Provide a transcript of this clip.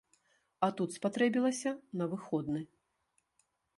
А тут спатрэбілася на выходны.